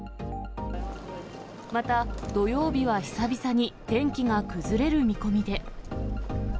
また、土曜日は久々に天気が崩れる見込みで。